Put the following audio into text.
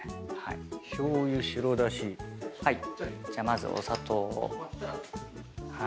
じゃあまずお砂糖を。